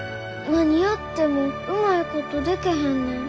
何やってもうまいことでけへんねん。